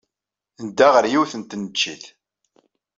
Nedda ɣer yiwet n tneččit.